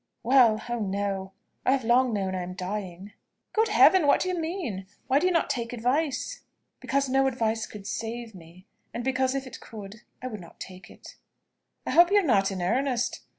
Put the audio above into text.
"Well? Oh no! I have long known I am dying." "Good Heaven! what do you mean? Why do you not take advice?" "Because no advice could save me; and because if it could, I would not take it." "I hope you are not in earnest.